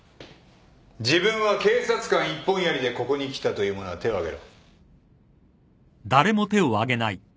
自分は警察官一本やりでここに来たという者は手をあげろ。